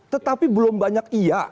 tetapi belum banyak iya